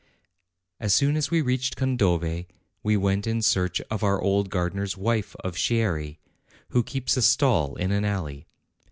As soon as we reached Condove, we went in search of our old gardener's wife of Chieri, who keeps a stall in an alley.